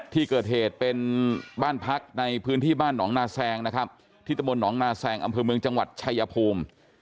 ที่เกิดเหตุเป็นบ้านพักในพื้นที่บ้านหนองนาแซงนะครับที่ตะบนหนองนาแซงอำเภอเมืองจังหวัดชายภูมิ